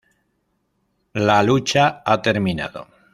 La lucha ha terminado.